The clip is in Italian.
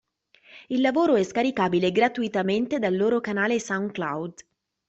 Il lavoro è scaricabile gratuitamente dal loro canale SoundCloud.